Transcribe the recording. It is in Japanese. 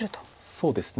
そうですね。